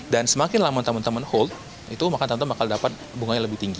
dan semakin lama teman teman hold itu maka teman teman akan dapat bunganya lebih tinggi